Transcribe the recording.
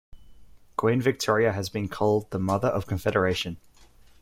Queen Victoria has been called the Mother of Confederation.